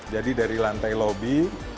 jadi dari lantai lobby